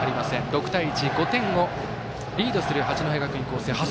６対１５点をリードする八戸学院光星。